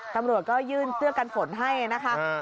ตำรวจก็ยื่นเสื้อกันฝนให้นะคะ